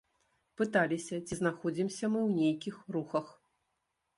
Пыталіся, ці знаходзімся мы ў нейкіх рухах.